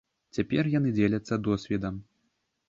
Цяпер яны дзеляцца досведам.